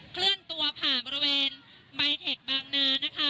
เคลื่อนตัวผ่านบริเวณใบเทคบางนานะคะ